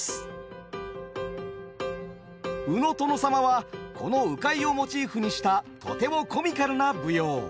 「鵜の殿様」はこの鵜飼をモチーフにしたとてもコミカルな舞踊。